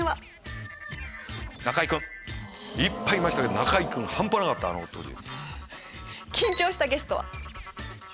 いっぱいいましたけど中居君半端なかったあの当時。